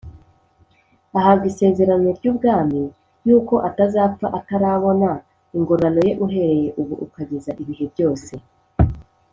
Ahabwa isezerano ry ubwami yuko atazapfa atarabona ingororano ye uhereye ubu ukageza ibihe byose